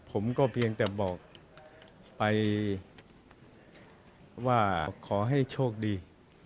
ผมก็เพียงแต่บอกไปว่าขอให้โชคดี